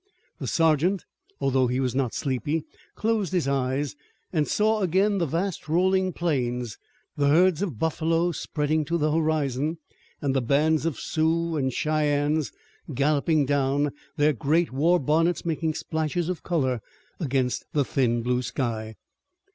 The sergeant, although he was not sleepy, closed his eyes and saw again the vast rolling plains, the herds of buffalo spreading to the horizon, and the bands of Sioux and Cheyennes galloping down, their great war bonnets making splashes of color against the thin blue sky.